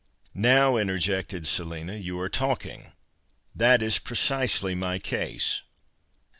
" Now," interjected Selina, " you are talking ! That is precisely my case."